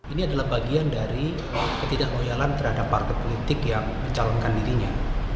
ini adalah bagian dari ketidakloyalan terhadap partai politik yang mencalonkan dirinya